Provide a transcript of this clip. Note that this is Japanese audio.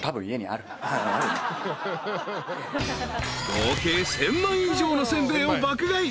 ［合計１，０００枚以上の煎餅を爆買い。